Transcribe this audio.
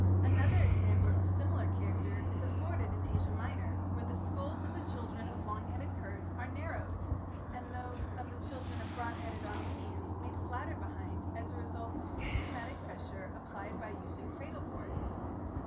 Another example of similar character is afforded in Asia Minor, where the skulls of the children of long headed Kurds are narrowed, and those of the children of broad headed Armenians made flatter behind as a result of systematic pressure applied by using cradle boards.